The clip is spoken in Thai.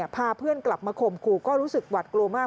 พาเพื่อนกลับมาข่มขู่ก็รู้สึกหวัดกลัวมาก